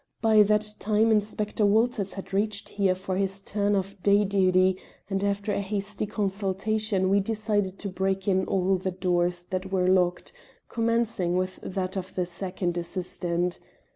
By that time Inspector Walters had reached here for his turn of day duty, and after a hasty consultation we decided to break in all the doors that were locked, commencing with that of the second assistant.